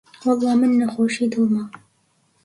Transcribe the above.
وەڵڵا من نەخۆشیی دڵمە